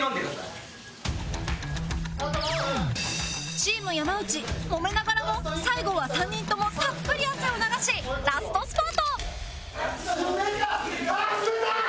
チーム山内もめながらも最後は３人ともたっぷり汗を流しラストスパート冷たっ！